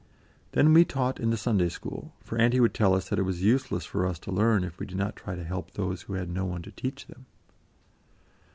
Then we taught in the Sunday School, for Auntie would tell us that it was useless for us to learn if we did not try to help those who had no one to teach them.